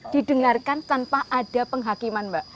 didengarkan tanpa ada penghakiman mbak